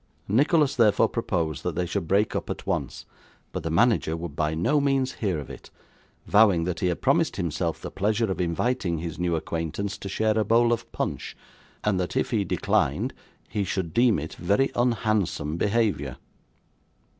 Nicholas therefore proposed that they should break up at once, but the manager would by no means hear of it; vowing that he had promised himself the pleasure of inviting his new acquaintance to share a bowl of punch, and that if he declined, he should deem it very unhandsome behaviour.